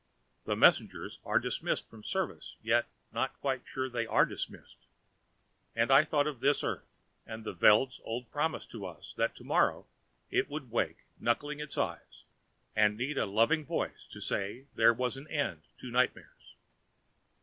The messengers are dismissed from service, yet not quite sure they are dismissed. And I thought of this Earth, and the Veld's old promise to us that tomorrow it would wake knuckling its eyes, and need a loving voice to say there was an end to nightmares.